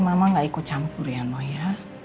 mama nggak ikut campur iyano ya